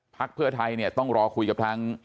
พรรคเพื่อไทยต้องรอคุยกับทาง